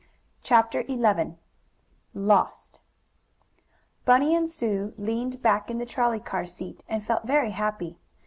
CHAPTER XI LOST Bunny and Sue leaned back in the trolley car seat, and felt very happy.